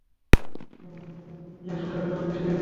ইয়াশোদা এবার বেশী হয়ে যাচ্ছে।